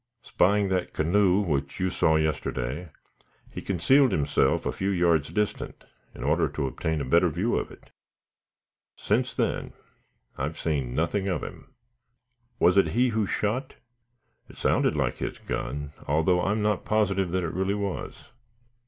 Espying that canoe which you saw yesterday, he concealed himself a few yards distant, in order to obtain a better view of it. Since then I have seen nothing of him." "Was it he who shot?" "It sounded like his gun, although I am not positive that it really was."